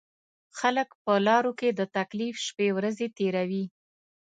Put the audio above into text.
خلک په لارو کې د تکلیف شپېورځې تېروي.